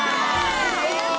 やった！